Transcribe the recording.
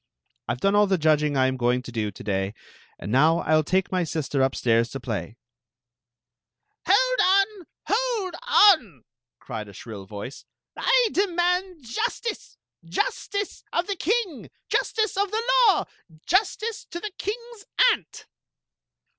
I ve done all the judg ing I am going to do to day, and now I 11 take my si^er up^s^ i& play." " Ii@y on! Hold cwi!" cried a ^ritt vcw». "I demand jostice ! Justice of the king! Ji^^e of tht law! Justice to the king's aunt."